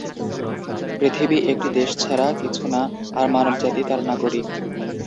পৃথিবী একটি দেশ ছাড়া কিছু না আর মানবজাতি তার নাগরিক।